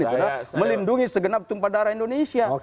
karena melindungi segenap tumpah darah indonesia